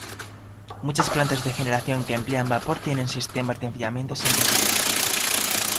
Muchas plantas de generación que emplean vapor tienen sistemas de enfriamiento sin reciclado.